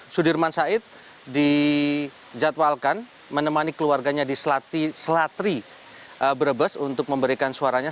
sudirman said dijadwalkan menemani keluarganya di selatri brebes untuk memberikan suaranya